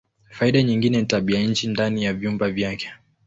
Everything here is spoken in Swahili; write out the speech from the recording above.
Faida nyingine ni tabianchi ndani ya vyumba vyake.